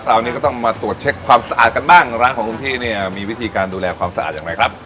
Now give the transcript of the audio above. คราวนี้ก็ต้องมาตรวจเช็คความสะอาดกันบ้างร้านของคุณพี่เนี่ยมีวิธีการดูแลความสะอาดอย่างไรครับ